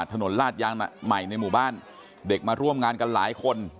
ลาดยางใหม่ในหมู่บ้านเด็กมาร่วมงานกันหลายคน